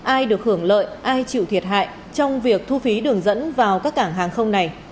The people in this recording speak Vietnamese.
ai được hưởng lợi ai chịu thiệt hại trong việc thu phí đường dẫn vào các cảng hàng không này